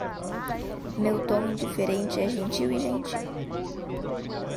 Meu tom indiferente é gentil e gentil.